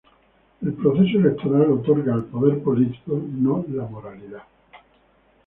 El proceso electoral otorga el poder político, no la moralidad.